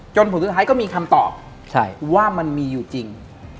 ผลสุดท้ายก็มีคำตอบว่ามันมีอยู่จริง